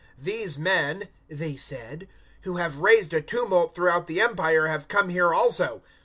"These men," they said, "who have raised a tumult throughout the Empire, have come here also.